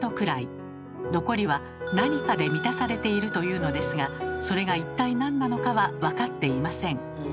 残りは何かで満たされているというのですがそれが一体なんなのかは分かっていません。